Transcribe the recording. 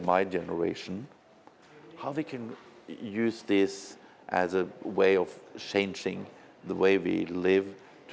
vì vậy chúng tôi thực sự muốn thành phần của điều đó